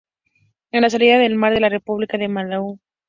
Es la salida al mar de la República de Malaui.